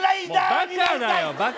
もうバカだよバカ！